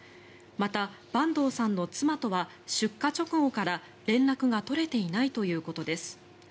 また坂東さんの妻とは出火直後から連絡が取れていないということです。